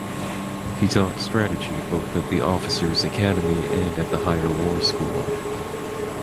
He taught strategy both at the officers’ academy and at the Higher War School.